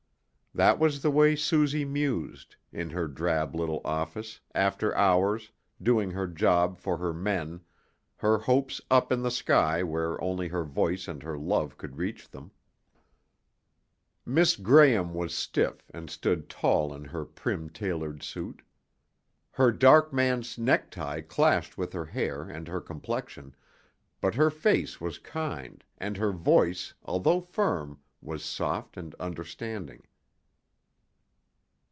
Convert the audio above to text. That was the way Suzy mused, in her drab little office, after hours, doing her job for her men, her hopes up in the sky where only her voice and her love could reach them. Miss Graham was stiff, and stood tall in her prim tailored suit. Her dark man's necktie clashed with her hair and her complexion, but her face was kind and her voice, although firm, was soft and understanding.